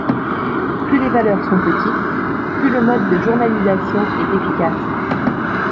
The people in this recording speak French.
Plus les valeurs sont petites, plus le mode de journalisation est efficace.